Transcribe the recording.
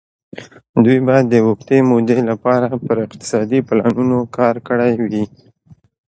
دوی به د اوږدې مودې لپاره پر اقتصادي پلانونو کار کړی وي.